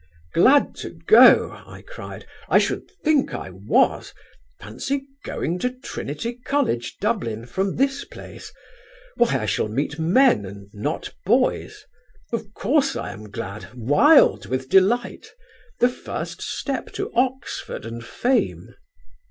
"'Glad to go,' I cried; 'I should think I was; fancy going to Trinity College, Dublin, from this place; why, I shall meet men and not boys. Of course I am glad, wild with delight; the first step to Oxford and fame.'